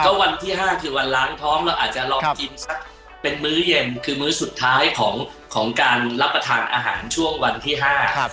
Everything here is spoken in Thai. ก็วันที่ห้าคือวันล้างท้องเราอาจจะลองกินสักเป็นมื้อเย็นคือมื้อสุดท้ายของของการรับประทานอาหารช่วงวันที่ห้าครับ